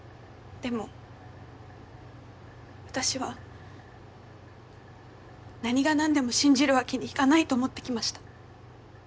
でも私は何が何でも信じるわけにいかないと思ってきました。